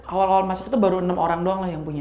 awal awal masuk itu baru enam orang doang lah yang punya